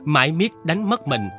mãi miết đánh mất mình